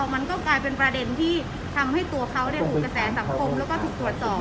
มันก็กลายเป็นประเด็นที่ทำให้ตัวเขาถูกกระแสสังคมแล้วก็ถูกตรวจสอบ